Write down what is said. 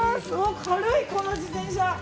軽い、この自転車。